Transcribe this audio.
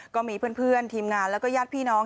ก็มีเพื่อนทีมงานแล้วก็ญาติพี่น้อง